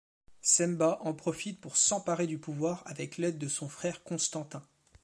Smbat en profite pour s'emparer du pouvoir, avec l'aide de son frère Constantin.